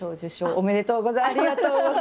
ありがとうございます。